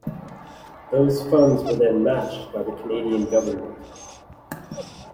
Those funds were then matched by the Canadian government.